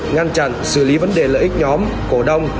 ngăn chặn xử lý vấn đề lợi ích nhóm cổ đông